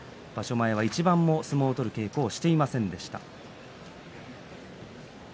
前は一番も相撲を取る稽古をしていませんでした。